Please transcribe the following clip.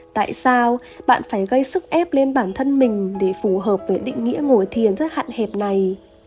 tại sao bạn phải gây sức ép lên bản thân mình để phù hợp với định nghĩa ngồi thiền rất hạn hẹp này